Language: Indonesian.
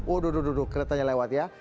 waduh keretanya lewat ya